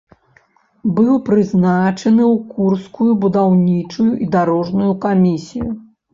Быў прызначаны ў курскую будаўнічую і дарожную камісію.